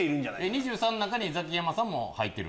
２３の中にザキヤマさんも入る？